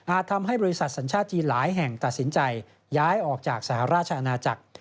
ทำให้บริษัทสัญชาติจีนหลายแห่งตัดสินใจย้ายออกจากสหราชอาณาจักร